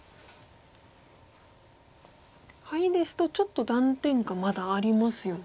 ハイですとちょっと断点がまだありますよね。